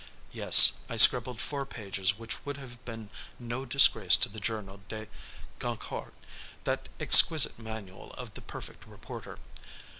Yes, I scribbled four pages which would have been no disgrace to the Journal des Goncourts, that exquisite manual of the perfect reporter.